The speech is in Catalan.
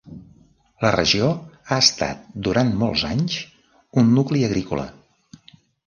La regió ha estat, durant molts anys, un nucli agrícola.